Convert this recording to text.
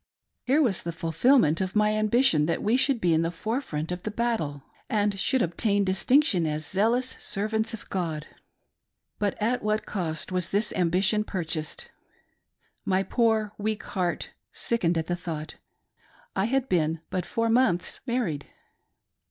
Here was the fulfilment of my ambition that we should be in the forefront of the battle, and should obtain distinction as zealous servants of God. But at what a cost was this ambition purchased ! My poor, weak heart sickened at the thought — I had been but four months married.